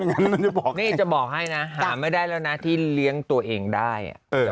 นี่จะบอกให้นะหาไม่ได้แล้วนะที่เลี้ยงตัวเองได้